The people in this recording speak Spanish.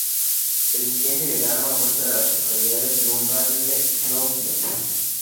El siguiente diagrama muestra a las localidades en un radio de de Snow Hill.